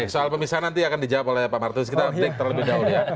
soal pemisahan nanti akan dijawab oleh pak martus kita break terlebih dahulu ya